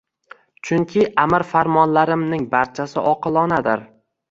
chunki amr farmonlarimning barchasi oqilonadir.